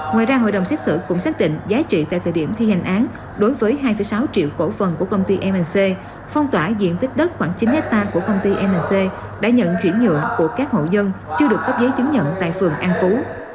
ngoài ra hội đồng xét xử cũng xác định giá trị tại thời điểm thi hành án đối với hai sáu triệu cổ phần của công ty mc phong tỏa diện tích đất khoảng chín hectare của công ty mc đã nhận chuyển nhượng của các hộ dân chưa được cấp giấy chứng nhận tại phường an phú